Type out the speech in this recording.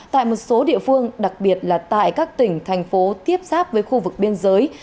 tại một số địa phương đặc biệt là tại các tỉnh thành phố tiếp giáp với khu vực biên giới